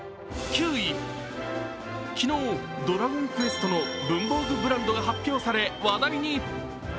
昨日、「ドラゴンクエスト」の文房具ブランドが発表され、話題に。